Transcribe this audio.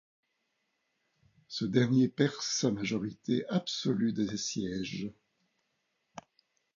Ce dernier perd sa majorité absolue des sièges.